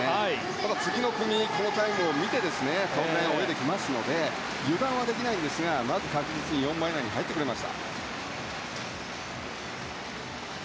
ただ、次の組がこのタイムを見て泳いできますので油断はできないんですがまず確実に４番以内に入ってくれました。